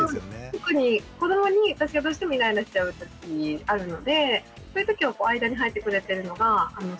特に子どもに私がどうしてもイライラしちゃう時あるのでそういう時間に入ってくれてるのがすごくありがたいです。